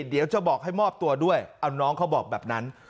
เดี๋ยวจะบอกให้มอบตัวด้วยเอาน้องเขาบอกแบบนั้น